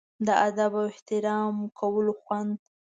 د ادب او احترام کولو خوند.